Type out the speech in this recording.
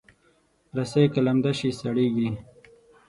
رسۍ که لمده شي، سړېږي.